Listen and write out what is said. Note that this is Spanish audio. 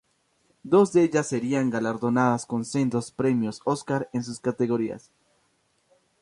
Dos de ellas serían galardonadas con sendos premios Óscar en sus categorías.